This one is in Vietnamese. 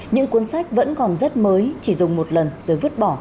những cuốn sách vẫn còn rất mới chỉ dùng một lần rồi vứt bỏ